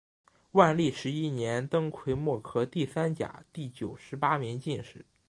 万历十一年登癸未科第三甲第九十八名进士。